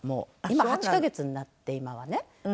今８カ月になって今はね。